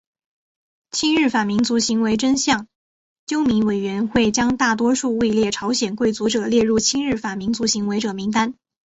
亲日反民族行为真相纠明委员会将大多数位列朝鲜贵族者列入亲日反民族行为者名单。